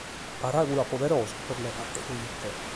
Paràula poderosa, pro nde fàghere ite.